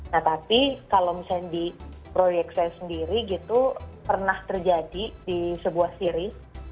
nah tapi kalau misalnya di proyek saya sendiri gitu pernah terjadi di sebuah siri